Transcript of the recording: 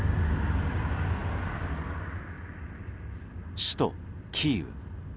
首都キーウ。